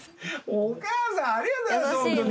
お母さんありがとうございますホントに。